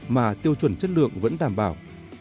mà tiêu chuẩn chất lượng vẫn đảm bảo